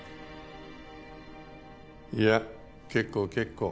いや結構結構。